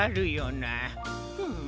うん。